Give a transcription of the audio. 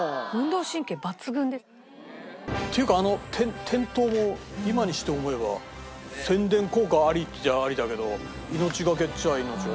っていうかあの転倒も今にして思えば宣伝効果ありっちゃありだけど命がけっちゃ命がけだよね。